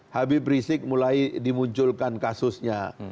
habib rizik mulai dimunculkan kasusnya